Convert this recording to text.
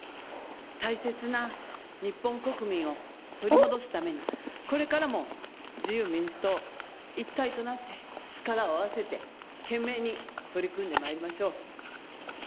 大切な日本国民を取り戻すために、これからも自由民主党一体となって力を合わせて、懸命に取り組んでまいりましょう。